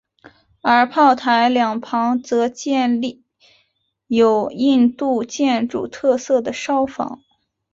而炮台两旁则建有印度建筑特色的哨房。